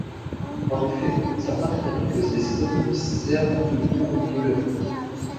En effet, certains craignaient que ces scènes ne servent de pour violeurs.